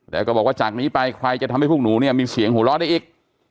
แล้วก็บอกว่าจากนี้ไปใครจะทำให้พวกหนูเนี่ยมีเสียงหัวเราะได้อีก